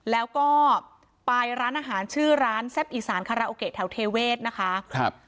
แล้วก็ไปร้านอาหารชื่อร้านแซ่บอีสานคาราโอเกะแถวเทเวศนะคะครับ